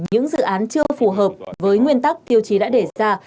những dự án chưa phù hợp với nguyên tắc tiêu chí đã để ra